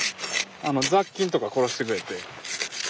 雑菌とか殺してくれて。